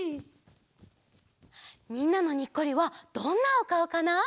みんなのニッコリはどんなおかおかな？